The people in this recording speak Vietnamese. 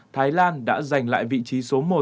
thái lan đã giành lại vị trí số một